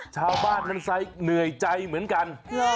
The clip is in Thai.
ชาวบ้านมันเหนื่อยใจเหมือนกัน